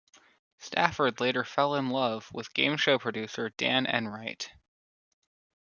Stafford later fell in love with game show producer Dan Enright.